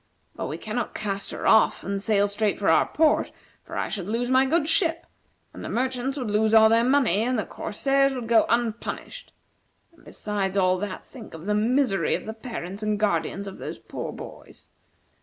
But we cannot cast her off and sail straight for our port, for I should lose my good ship, the merchants would lose all their money, and the corsairs would go unpunished; and, besides all that, think of the misery of the parents and guardians of those poor boys.